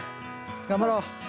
頑張ろう。